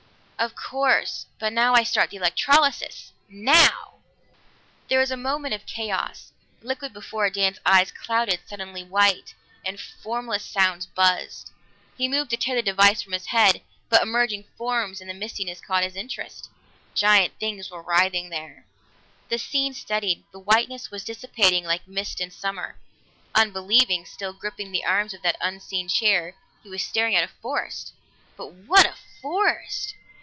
"Of course. But now I start the electrolysis. Now!" There was a moment of chaos. The liquid before Dan's eyes clouded suddenly white, and formless sounds buzzed. He moved to tear the device from his head, but emerging forms in the mistiness caught his interest. Giant things were writhing there. The scene steadied; the whiteness was dissipating like mist in summer. Unbelieving, still gripping the arms of that unseen chair, he was staring at a forest. But what a forest!